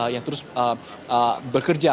yang terus bekerja